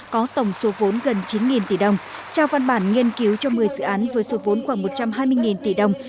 có tổng số vốn gần chín tỷ đồng trao văn bản nghiên cứu cho một mươi dự án với số vốn khoảng một trăm hai mươi tỷ đồng